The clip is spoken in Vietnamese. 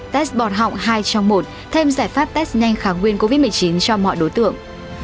test bon họng hai trong một thêm giải pháp test nhanh kháng nguyên covid một mươi chín cho mọi đối tượng